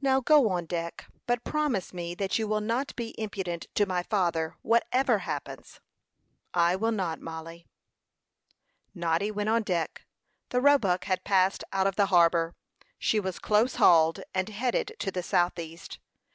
"Now go on deck; but promise me that you will not be impudent to my father, whatever happens." "I will not, Mollie." Noddy went on deck. The Roebuck had passed out of the harbor. She was close hauled, and headed to the southeast.